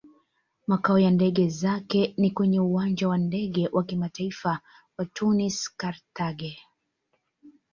Makao ya ndege zake ni kwenye Uwanja wa Ndege wa Kimataifa wa Tunis-Carthage.